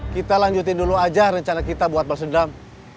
kita lanjutin dulu aja rencana kita buat balsedam